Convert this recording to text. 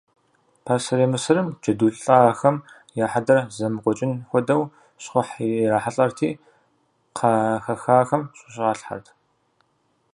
Пасэрей Мысырым джэду лӏахэм я хьэдэр зэмыкӏуэкӏын хуэдэу щхъухь ирахьэлӏэрти кхъэ хэхахэм щыщӏалъхэрт.